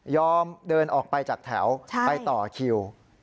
เดินออกไปจากแถวไปต่อคิว